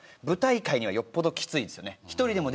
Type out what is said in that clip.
舞台界にはよっぽどきついですよね。